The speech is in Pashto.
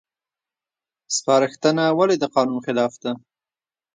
سپارښتنه ولې د قانون خلاف ده؟